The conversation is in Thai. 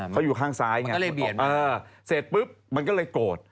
เขาอยู่ข้างซ้ายไงเสร็จปุ๊บมันก็เลยโกรธ